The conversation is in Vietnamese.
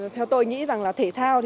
theo tôi nghĩ rằng là thể thao